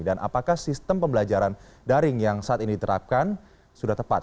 dan apakah sistem pembelajaran daring yang saat ini diterapkan sudah tepat